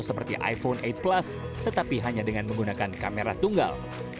seperti iphone delapan plus tetapi hanya dengan menggunakan kamera tunggal